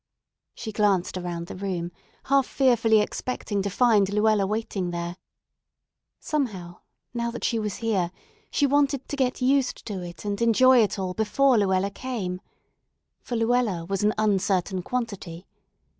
She glanced around the room, half fearfully expecting to find Luella waiting there. Somehow, now she was here, she wanted to get used to it and enjoy it all before Luella came. For Luella was an uncertain quantity.